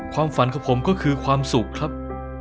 ความฝันของผมก็คือความสุขครับ